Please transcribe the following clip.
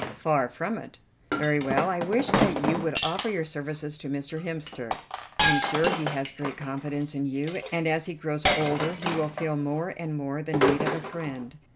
"Far from it." "Very well. I wish that you would offer your services to Mr. Hemster. I am sure he has great confidence in you, and as he grows older he will feel more and more the need of a friend.